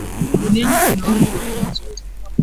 Duniani kuna watu wa aina zote